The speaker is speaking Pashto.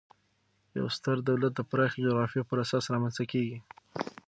یو ستر دولت د پراخي جغرافیې پر اساس رامنځ ته کیږي.